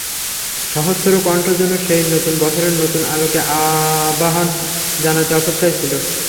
সহস্র কণ্ঠ যেন সেই নতুন বছরের নতুন আলোকে আবাহন জানাতে অপেক্ষায় ছিল।